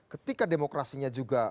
ketika demokrasinya juga